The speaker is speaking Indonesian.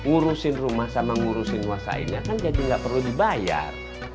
ngurusin rumah sama ngurusin nuasainnya kan jadi nggak perlu dibayar